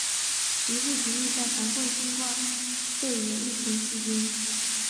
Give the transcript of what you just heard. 一致同意在防控新冠肺炎疫情期间